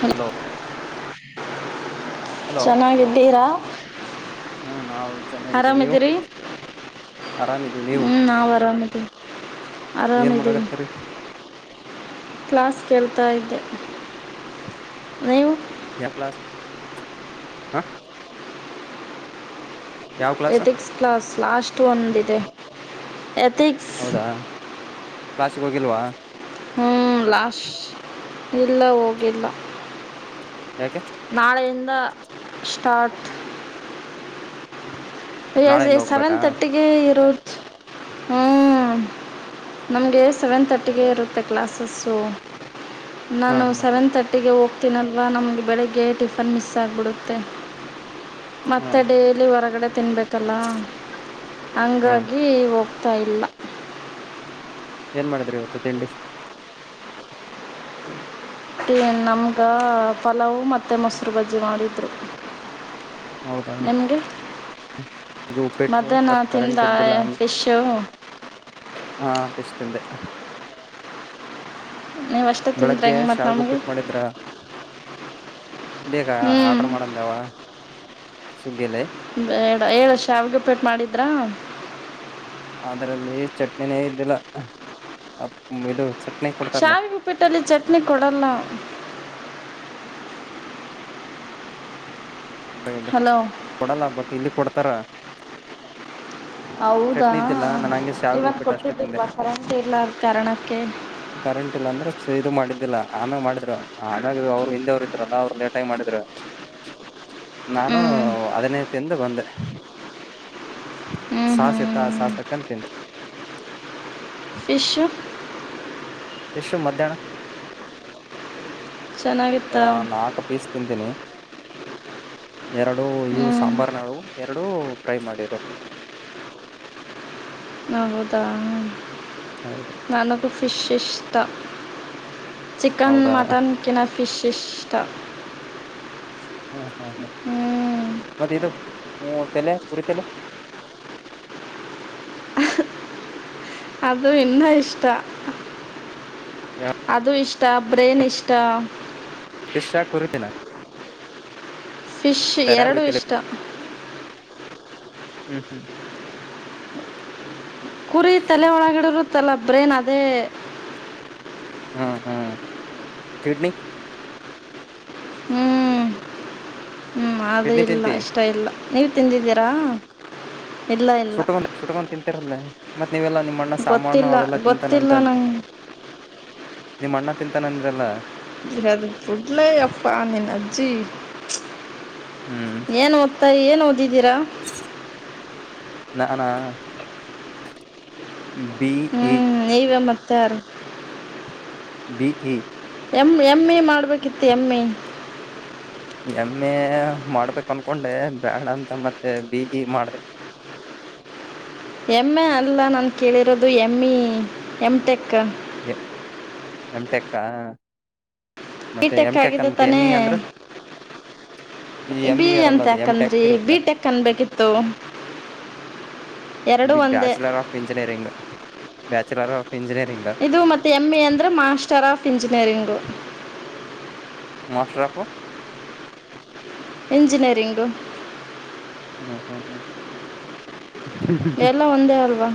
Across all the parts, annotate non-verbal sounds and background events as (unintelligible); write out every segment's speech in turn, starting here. ಹು hello hello ಚೆನ್ನಾಗಿ ಇದ್ದೀರಾ ಹ ನಾವು ಚೆನ್ನಾಗಿದ್ದೇ ನೀವು ಆರಾಮಿದೀವಿ ನೀವು ಹು ನಾವು ಆರಾಮಿದ್ದೀವಿ ಆರಾಮ ಏನ್ ಇದಿವಿ. ಮಾಡಕತ್ತರಿ ಕ್ಲಾಸ್ ಕೇಳ್ತಾ ಇದ್ದೆ ನೀವು ಯಾ ಕ್ಲಾಸ್ ಹ ಯಾವ ಕ್ಲಾಸ್ ಎಥಿಕ್ಸ್ ಕ್ಲಾಸ್ ಲಾಸ್ಟ್ ಒಂದಿದೆ ಎಥಿಕ್ಸ್. ಹೌದಾ ಕ್ಲಾಸಿಗೆ ಹೋಗಿಲ್ವಾ ಲಾಶ ಇಲ್ಲ ಹೋಗಿ ಲ್ಲಾ ಯಾಕೆ ನಾಳೆಯಿಂದ ಸ್ಟಾರ್ಟ್. ಐಯಜ್ಎ ನಾಳೆಯಿಂದ ಸೆವೆನ್ ಹೋಗ್ಬೇಕಾ ಥರ್ತಿ. ಹೆ ಇರೋದ್ ಹು ನಮಗೆ ಸೆವೆನ್ ತರ್ಟಿಗೆ ಹೌದಾ ಇರು ತ್ತೆ ಕ್ಲಾಸಸು ಹಾ ನಾನು ಹಾ ಹ ಸೆವೆನ್ ತ ಟ್ಟಿಗೆ ಹೋಗ್ತೀನಲ್ವಾ ನಮ್ಗ ಬೆಳಿಗ್ಗೆ ಟಿಫನ್ ಮಿಸ್ ಆಗ್ಬಿಡುತ್ತೆ. ಹಾ ಮತ್ತೆ ಡೇಲಿ ಹೊರಗಡೆ ತಿನ್ಬೇಕ ತ್ತಲ ಹಾ ಹಂಗಾಗಿ ಹೋಗ್ತಾ ಇಲ್ಲಾ. ಏನ್ ಮಾಡಿದ್ರಿ ಇವತ್ತು ತಿಂಡಿ. ಏನ್ ನಮಗಾ ಪಲಾವು ಮತ್ತು ಮೊಸರು ಬಜ್ಜಿ ಮಾಡಿದ್ರು. ಹೌದ ನ ಹು ರಿ ಮಧ್ಯಾಹ್ನ ಬಟ್ ತಿಂದ ಕರೆಂಟ್ ಫೀಸು ಹಾ ಪಿಸ್ತಿಂದೆ ನೀವಷ್ಟೇ ತಿಂದ್ರೆ ಬೆಳಗ್ಗೆ ಹೆಂಗೆ ಮತ್ತು ನಮಗೆ ಶಾವಗುಪ್ಪಿಟ್ ಮಾಡಿದ್ರಾ. ಬೇಕಾ ಹ್ಞೂ ಆರ್ಡ್ರ ಮಾಡಂದಾವ ಸುಗ್ಗಿಯಲ್ಲಿ ಬೇಡಾ ಹೇಳ ಶಾವಿಗೆ ಉಪಿಟ್ ಮಾಡಿದ್ರಾ ಅದ್ರಲ್ಲಿ ಚಟ್ನಿನೇ ಇದ್ದಿಲ್ಲ ಅಮ್ ಇದು ಚಟ್ ಶಾವಗಪ್ಪಿಟ್ಟಲ್ಲಿ ಚಟ್ನಿ ಕೊಡಲ್ಲ ಹಲೋ ಕೊಡಲ್ಲ ಬಟ್ ಇಲ್ಲಿ ಕೊಡ್ತಾರ. ಹೌದಾ ಚಟ್ನಿ ಇದ್ದಿಲ್ಲ ನಾನ್ ಹಂಗೆ ಶಾವಿಗೆ ಇವಾಗ ಉಪ್ಪಿಟ್ಟು ಅಷ್ಟೇ ತಿಂದೆ ಕೊಡ್ತಟ್ಟಿಲ್ವಾ ಕರೆಂಟ್ ಇಲ್ಲಾರದ ಕಾರಣಕ್ಕೆ ಕರೆಂಟ್ ಇಲ್ಲ ಅಂದ್ರೆ ಇದು ಮಾಡಿದ್ದಿಲ್ಲ ಆನು ಮಾಡಿದ್ರು ಆಮ್ಯಾಗ ಅವರು ಹಿಂದೆರು ಇದ್ರಲ್ಲ ಅವ್ರು ಲೇಟಾಗಿ ಮಾಡಿದ್ರು. ಹ್ಞೂ ನಾನು ಅದನೆ ತಿಂದ ಬಂದೆ. ಹ್ಞೂ ಹ್ಞೂ ಸಾಸ್ ಇತ್ತ ಆ ಸಾಸ್ ಹಾಕಂದ ತಿಂದೆ. ಫಿಶು ಫೀಸು ಮಧ್ಯಾಹ್ನ ಚೆನ್ನಾಗಿತ್ತಾ ನಾಕ.. ಪೀಸ್ ತಿಂತೀನಿ ಎರಡು ಇವು ಹ್ಞೂ ಸಾಂಬಾರ್ ನವು ಎರಡು ಪ್ರೈ ಮಾಡಿರೋ ಹೌದಾ ಹೌದು. ನನಗು ಫಿಶ್ ಇಷ್ಟ ಚಿಕ್ಕನ್ ಹೌದಾ ಮಟನ್ ಕ್ಕಿನ ಫೀಸ್ ಇಷ್ಟಾ. ಹ್ಮ್ ಹ್ಮ್ ಹ್ಮ ಹ್ಮ್ ಮತ್ತೆ ಇದು ತಲೆ ಪುರಿ ತಲೆ ಅದು ಇನ್ನ ಇಷ್ಟ ಅದು ಇಷ್ಟ ಬ್ರೇನ್ ಇಷ್ಟ ಇಷ್ಟ ಕೊರುತಿನಾ ಫಿಶ್ ಬೇರೆ ಎರಡೂ ಕುರಿತಲೆ ಇಷ್ಟ ಹ್ಮ್ ಹ್ಮ್ ಕುರಿ ತಲೆ ಒಳಗಿಡರು ತಲೆ ಬ್ರೇನ್ ಅದೇ ಹ್ಮ್ ಹ್ಮ್ ಕಿಡ್ನಿಕ್ ಹ್ಮ್ ಹ್ಮ್ ಆದೂ ಕಿಡ್ನಿ ಇಲ್ಲ ತಿಂತಿ ಇಷ್ಟ ಇಲ್ಲ ನೀವು ತಿಂದಿದ್ದೀರಾ ಇಲ್ಲ ಇಲ್ಲ ಸುಟ್ಕೊಂಡ ಸುಟ್ಕೊಂಡು ತಿಂತಿರಲ್ಲೇ ಮತ್ತತ್ ನೀವೆಲ್ಲಾ ನಿಮ್ಮಣ್ಣ ಸಾಮಾನು ಗೊತ್ತಿಲ್ಲ ಅವೆಲ್ಲ ತಿಂತಾನ ಅಂತ ಗೊತ್ತಿಲ್ಲ ಅಂದ ನಂಗೆ ನಿಮ್ಮ ಅಣ್ಣ ತಿಂತಾನ ಅಂದ್ರಲ್ಲ (inaudible) ಅಪ್ಪ ನಿನ್ ಅಜ್ಜಿ ಹ್ಮ್ ಏನ್ ಮ ಸರಿ ಏನು ಓದಿದ್ದೀರಾ ನಾನ ಬಿ ಈಚ್ ನವೇ ಮತ್ತೆ ಯಾರ B E M M A ಮಾಡಬೇಕಿತ್ತು ಎಮ್ ಎ ಎಮ್ ಎ ಮಾಡ್ಬೇಕ ಅನ್ಕೊಂಡೆ ಬ್ಯಾಡ ಅಂತ ಮತ್ತೆ ಬಿ ಇ ಮಾಡಿದೆ ಎಮ ಎ ಅಲ್ಲ ನಾನು ಕೇಳಿರೋದು M E M tech A... M ಟೆಕ್ಕ ಈ ಟೇಕ್ ಆಗಿದ್ದೆ ತಾನೇ ಎಮ್ ಇ ಅಂದ್ರ ಈ ಎಮ್ ಬಿ ಇ ಇರಲ್ಲ ಅಂತ ಅದು ಎಮ್ ಯಾಕಂದ್ರಿ ಟೆಕ್ ಇರುತ್ತ ಬಿ ಟೇಕ್ ಅನ್ಬೇಕಿತ್ತು ಎರಡೂ ಬಿ ಒಂದೇ bachelor of engineering bachelor of engineering ಇದು ಮತ್ತೆ ಎಮ್ ಇ ಅಂದ್ರೆ master of engineering master of engineering ಹ್ಮ್ ಹ್ಮ ಹ್ಮ ಎಲ್ಲ ಒಂದೇ ಅಲ್ವಾ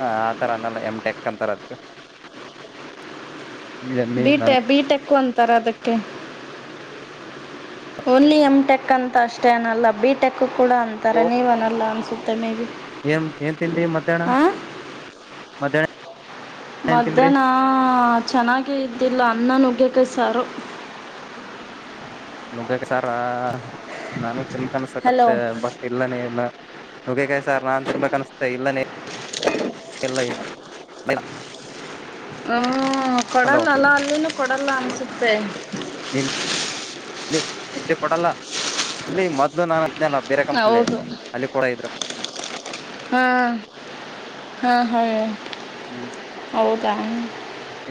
ಹ ಆ ತರ ಅನ್ನಲ್ಲ ಎಮ್ ಟೇಕ್ ಅಂತರ ಅದ್ಕ್ ಎಮ್ ಎ ಬಿಟೆ ಬಿ ಟೇಕ್ ಒಂದು ತರದಕ್ಕೆ ಓನ್ಲಿ ಎಮ್ ಟೆಕ್ ಅಂತ ಅಷ್ಟೇ ಅನಲ್ಲ ಬಿ ಟೇಕ್ ಟೆಕ್ ಕೂಡ ಅಂತಾರೆ ನೀವ ಅನ್ನಲ್ಲ ಅನಿಸುತ್ತೆ ಮೇ ಬಿ ಏನ್ ಏನ್ ತಿಂದ್ರಿ ಮಧ್ಯಾಹ್ನ ಹಾಂ ಮಧ್ಯಾಹ್ನ ಏನ್ ತಿಂದ್ರಿ ಮಧ್ಯಾಹ್ನ ಚೆನ್ನಾಗೇ ಇದ್ದಿಲ್ಲ ಅನ್ನ ನುಗ್ಗೆಕಾಯಿ ಸಾರು ನುಗ್ಗೆಕಾಯಿ ಸಾರ ನಾನು ತಿನ್ಬೆಕು ಹಲೋ ಅನ್ಸತ್ತೆ ಬಟ್ ಇಲ್ಲನ ಇಲ್ಲ ನುಗೇಕಾಯ್ ಸಾರ್ ನಾನ್ ತುಂಬಾ ಅನಿಸ್ತೇ ಇಲ್ಲನ ಇಲ್ಲ ಇ ಹ್ಮ ಹಲೋ ಕೊಡಲ್ಲಲ್ಲ ಅಲ್ಲಿನೂ ಕೊಡಲ್ಲ ಅನ್ಸುತ್ತೆ ಇಲ್ಲಿ ರಜೆ ಕೊಡಲ್ಲ ಇಲ್ಲಿ ಮೊದ್ಲು ನಾನ ಇದ್ದಿನಲ್ಲ ಹೌದು ಹ್ಮ ಹಾ ಹ ಹ್ಮ್ ಹೌದಾ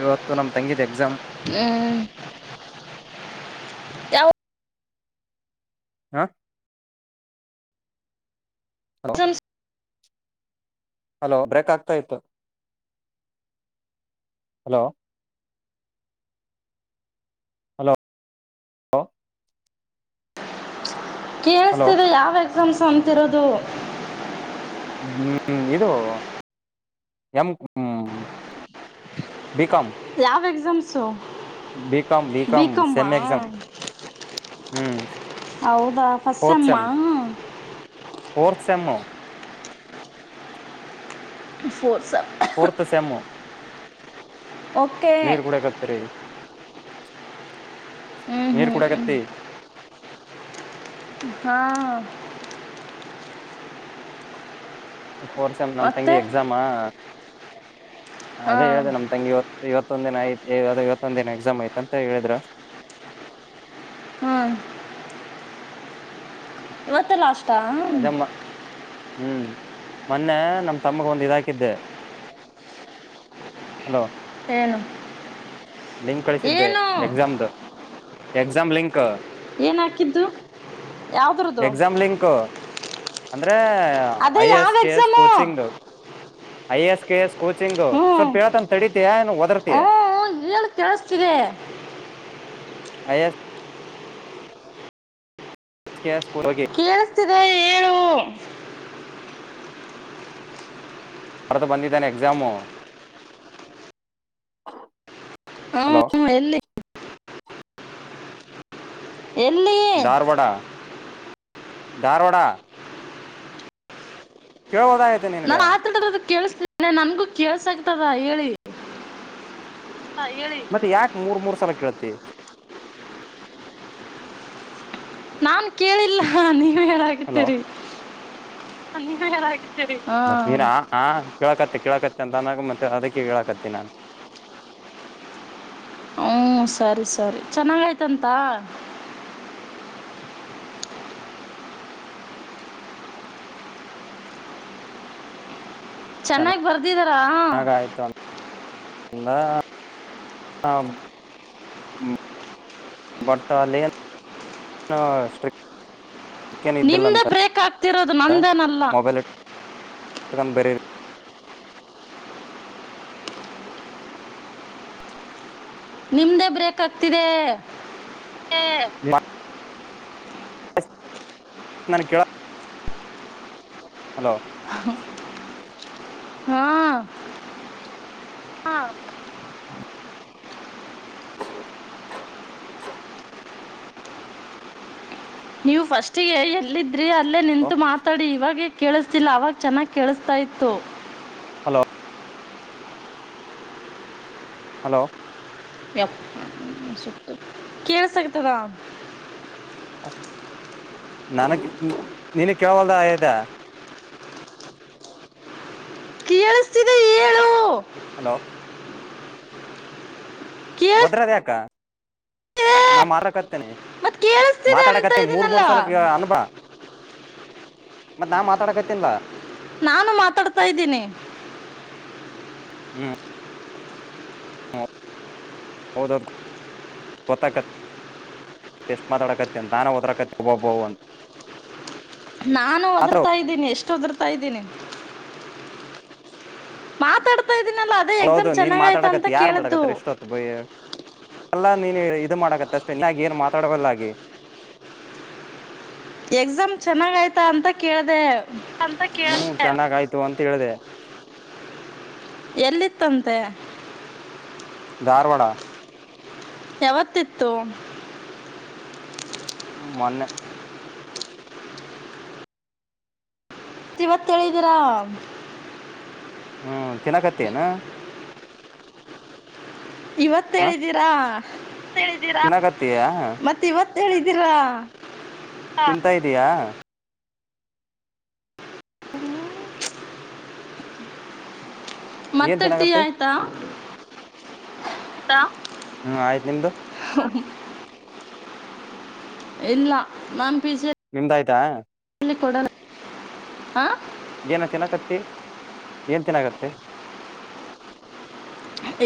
ಇವತ್ತು ನಮ್ ತಂಗಿದ ಎಕ್ಸಾಮ್ ಹ ಯಾವ ಹಾ ಹಲೋ ಎಕ್ಸಾಮ್ಸ್ ಹಲೋ ಬ್ರೇಕ್ ಆಗ್ತಾ ಇತ್ತು ಹಲೋ ಹಲೋ ಕ ಹಲೋ ಯಾವ್ ಎಕ್ಸಾಮ್ಸ್ ಅಂತಿರೋದು ಹ್ಮ್ ಇದು ಎಮ ಹ್ಮ್ ಬಿಕಮ ಯಾವ ಎಕ್ಸಾಮ್ಸು ಬಿಕಾಂ ಬಿಕಾಂ ಬಿಕಮ್ಮಾ ಸೆಮ್ ಎಕ್ಸಾಮ್ ಹ್ಮ್ ಹೌದಾ ಸಮ್ಮ ಓರ್ಸ್ ಎಮೋ ಫೋರ್ಸಪ್ ಸ್ಯಾಮು ಓಕೆ ನೀರ್ ಕುಡಕತ್ತರಿ ಹ್ಮ್ ನೀರ್ ಹ್ಮ್ ಹ್ಮ್ ಕುಡಕತ್ತೆ ಹಾ ಫೋರ್ಸ್ ಎಮ್ ನಮ್ಮ್ ಮತ್ತೆ ತಂಗಿ ಎಕ್ಸಾಮಾ ಅದೇ ಹಾಂ ಹೇಳದೆ ನಮ್ ತಂಗಿರು ಇವತ್ತೊಂದ ದಿನ ಯ್ತ ಇವತ್ತೊಂದ ದಿನ ಎಕ್ಸಾಮ್ ಐ್ತಂತ ಹೇಳಿದ್ರು ಹ್ಮಞ ಇವತ್ತು ಲಾಸ್ ಅದಮ್ಮ ಹ್ಮ್ ಮೊನ್ನೆ ನಮ್ ತಮ್ಮಗೆ ಒಂದ್ ಇದಾಕಿದ್ದೆ ಹಲೋ ಏನು ಲಿಂಕ್ ಕಳಿಸಿದ್ದೆ ಏನು ಎಕ್ಸಾಮ್ದ ಎಕ್ಸಾಮ್ ಲಿಂಕ್ ಏನ ಹಾಕಿದ್ದು ಯಾಾವ್ದ್ರ್ದು ಲಂಕ್ ಅಂದ್ರೆ ಅದೇ ಐ ಎಸ್ ಯಾವ K S exam coaching I S ಕೆಸ್ coaching ಸ್ವಲ್ಪ ಹ್ಮ್ ಹೇಳೇತನ್ ತಡಿತಯಾ ಇ ಒಓದರ್ತಿಯಾ ಕಲಸ್ತಿಗೆ ಯ ಎಸ್ ಕ ಸ್ ಕೇಳಿಸಸ್ತಿದೆ ಹೇಳಏು ಬರ್ತ ಬಂದಿದ್ದಾನೆ ಎಕ್ಸಾಮು ಹ ಹಲೋ ಹ ಎಲ್ಲಿ ಎಲ್ಲಿಯ ಧಾರವಾಡ ಧಾರವಾಡ ಕೆೇಳ ಹೊದಾಯ ನಾ ಆತ ಕೇಳಿಸತನೆ ನಮಗೂ ಕೇಸ ಆಗ್ತದ ಹೇಳಿ ಹೇಳಿ ಮತ್ತೆ ಯಾಕ ಮೂರ್ ಮೂರ್ ಸಲ ಕೇಳತ್ತತಿ ನಾನ್ ಕೇಳಿಲ್ಲ ನೀವ ಹೇಳ ಹಲೋ ಹಾ ಮದೀರ ಹಾ ಕೇಳಕತ್ತ ಕೇಳಕತ್ತ ಅಂತ ಅನ ಮತ್ತೆ ಅದಕ್ಕೆ ಕೇಳಕತ್ತತಿ ನಾನ್ ಹ್ಮ ಸರಿ ಸರಿ ಚೆನ್ನಾಗಯ್ತಂತ ಚೆನ್ನಾಗಿ ಬರ್ ರ ಹಾಗ ಆಯಿತು ಅ ಅಂದ ಹಾಂ ಬಟ್ ಅಲೇನ್ ನಿಮ್ದೇ ಬ್ರೇಕ್ ಆಗ್ತಿರೋದು ನಮೇದೇನಲ್ಲ ಮೊಬೈಲ್ (unintelligible) ನಿಮ್ಮದೇ ಬ್ರೇಕ ಆಗ್ತಿದೆ (unintelligible) ನನ್ ಕೇಳ- ಹಲೋ ಹಾ ಹಾ ನೀವು ಫಸ್ಟ್ಗೆ ಎಲ್ಲಿದ್ರಿ ಅಲ್ಲೇ ನಿಂತು ಮಾತಾಡಿ ಇವಾಗ ಕೇಳಿಸ್ತಿಲ್ಲ ಆವಾಗ ಚೆನ್ನಾಗಿ ಕೇಳಿಸ್ತಾ ಇತ್ತು ಹಲೋ ಹಲೋ ಕೇಳ ಸಾಕತದ ನಿನಗ್ ನೀನ್ ಕೇಳವಲ್ದದ ಕೇಳಿಸ್ತಿದೆ ಹೇಳು ಹಲೋ ಒದ್ರದ ಕೇಳಿಸ್ತಿದೆ ಯಾಕ ನಾ ಮಾರಕ ಹತೇನೆ ಮತ್ ಕೇಳಿಸ್ತಿದೆ ಅಂತ ಮಾತಾಡಕತ್ತ ಮೂರ್ ಇದೀನಲ್ಲ ಮೂರ್ ಸಲಕ್ಕೆ ಅನುಭ ಮತ್ತ್ ನಾ ಮಾತಾಡಕತ್ತನ್ಲ ನಾನು ಮಾತಾಡ್ತಾ ಇದ್ದೀನಿ ಹ್ಮ್ ಹೌದೌದ ಗೊತ್ತಾಗತೈತ್ತೀ ಟೆಸ್ಟ್ ಮಾಡಾಡಕತ್ತ ಅಂತ ನಾನಾ ಒದರಾಕಂತ ಬೌವ ಬೌವ ಅಂ ನಾನು ಮಾತ್ರ ಒದರ್ತಾ ಇದ್ದೀನಿ ಎಷ್ಟು ಒದರ್ತಾ ಇದ್ದೀನಿ ಮಾತಾಡ್ತಾ ಇದ್ದೀನಲ್ಲ ಅದೇ ಹೌದು ಎಕ್ಸಾಮ್ ನೀನ್ ಚೆನ್ನಾಗ ಆಯ್ತ ಮಾತಾಡಕತ್ ಅಂತ ಯಾರ್ ಕೇಳಿದ್ದು ಮಾತಾಡಕತ್ತರ ಇಷ್ಟೊತ್ತು ಎಲ್ಲಾ ನೀನು ಇದು ಮಾಡಕತ್ತೆ ಅಷ್ಟೆ ಇನ್ನಾಗಿ ಏನ್ ಮಾತಾಡಲ್ಲ ಆಗಿ ಎಕ್ಸಾಮ್ ಚೆನ್ನಾಗ್ ಆಯ್ತಾ ಅಂತ ಕೇಳ್ದೆ (unintelligible) ಹ್ಮ ಚೆನ್ನಾಗ ಆಯ್ತು ಅಂತ ಹೇಳ್ದೆ ಎಲ್ಲಿತ್ತಂತೆ ಧಾರವಾಡ ಯಾವತ್ತಿತ್ತು ಹ್ಮ ಮೊನ್ನೆ ಇವತ್ತೇಳಿದಿರಾ ಹ್ಮ್ ತಿನಕತ್ತಿಎನ ಹ ಇವತ್ತೇಳಿದೀರಾ ತಿನ್ನಕತ್ತಯಾ ಮತ್ತೆ ಇವತ್ ಹೇಳಿದೀರಾ ತಿಂತಾ ಇದಿಯಾ ಏನ್ ಮತ್ತೆ ಟೀ ತಿನ್ನಕತ್ತಿ ಆಯ್ತಾ (unintelligible) ಹ್ಮ್ ಆಯ್ತ್ ನಿಮ್ದು ಹ ಇಲ್ಲ ನಾನ್ ಪಿಜಿ ನಿಮ್ದ ಆಯ್ತಾ ಲ್ಲಿ ಕೊಡೋಣ ಹಾ ಏನ ತಿನ್ನಕತ್ತತಿ ಏನ್ ತಿನ್ನಕತ್ತತಿ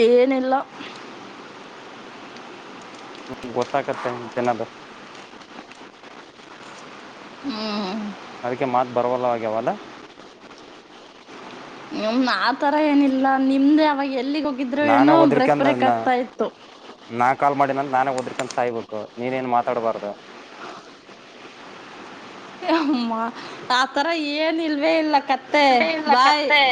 ಏನಿಲ್ಲ ಹ್ಮ ಗೊತ್ತಾಗತ ತಿನ್ನೋದು. ಹ್ಮ್ ಹ್ಮ್. ಅದಕ್ಕೆ ಮಾತ್ ಬರವಲ್ಲ ಆಗ್ಯಾವಲ. ನ ಆತರ ಏನಿಲ್ಲ ನಿಮ್ದೆ ಅವಾಗ ಎಲ್ಲಿಗೆ ಹೋಗಿದ್ರು ನಾನೇ ಏನೋ ಬ್ರೇಕ್ ಬ್ರೇಕ್ ಆಗ್ತಾ ಇತ್ತು ನಾನ್ ಕಾಲ್ ಮಾಡಿದನಂದ ನಾನೇ ಓದ್ರಕನ್ ಸಾಯ್ಬೇಕು ನೀನ್ನ್ ಮಾತಾಡ್ಬಾರು ಅಮ್ಮ ಆಥರ ಏನು ಇಲ್ವೇ ಇಲ್ಲ ಕತ್ತೆ ಇಲ್ಲ ಬಾಯ್. ಕತ್ತೆ